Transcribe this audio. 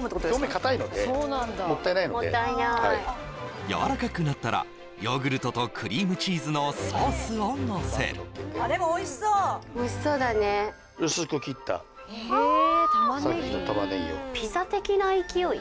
表面かたいのでもったいなのでもったいないやわらかくなったらヨーグルトとクリームチーズのソースをのせるでもおいしそうおいしそうだね薄く切ったさっきの玉ねぎをピザ的な勢い？